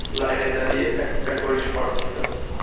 লাইনে দাঁড়িয়ে একটা করে শার্ট নিয়ে যাও।